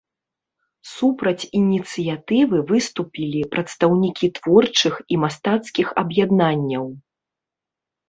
Супраць ініцыятывы выступілі прадстаўнікі творчых і мастацкіх аб'яднанняў.